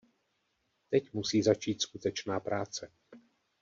Teď musí začít skutečná práce.